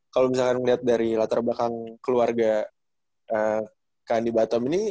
kalau misalkan ngeliat dari latar belakang keluarga ke andi batam ini